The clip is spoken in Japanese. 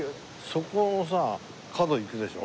そこのさ角行くでしょ。